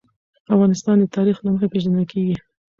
افغانستان د تاریخ له مخې پېژندل کېږي.